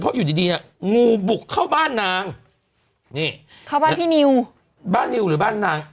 เพราะอยู่ดีดีเนี่ยงูบุกเข้าบ้านนางนี่เข้าบ้านพี่นิวบ้านนิวหรือบ้านนาง